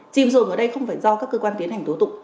chìm dồn ở đây không phải do các cơ quan tiến hành tố tụng